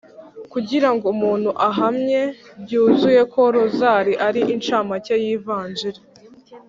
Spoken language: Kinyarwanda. kugira ngo umuntu ahamye byuzuye ko rozali ari incamake y’ivanjili,